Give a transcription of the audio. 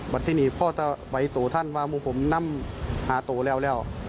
วันที่นี่พ่อจะไว้ตัวท่านว่ามูกผมนำหาตัวแล้วแล้ว